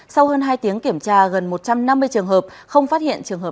sau hơn hai tiếng kiểm tra gần một trăm năm mươi trường hợp không phát hiện trường hợp